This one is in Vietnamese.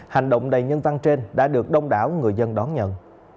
hành động đầy nhân văn trên đã được đông đảo người dân đón nhận